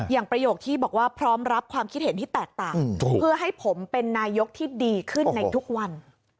ประโยคที่บอกว่าพร้อมรับความคิดเห็นที่แตกต่างเพื่อให้ผมเป็นนายกที่ดีขึ้นในทุกวัน